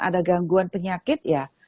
ada gangguan penyakit